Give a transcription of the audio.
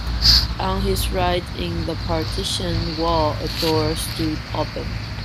On his right in the partition wall a door stood open.